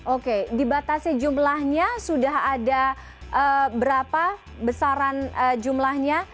oke dibatasi jumlahnya sudah ada berapa besaran jumlahnya